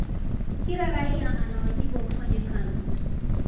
kila raia ana wajibu wa kufanya kazi